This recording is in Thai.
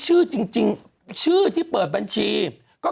คุณหนุ่มกัญชัยได้เล่าใหญ่ใจความไปสักส่วนใหญ่แล้ว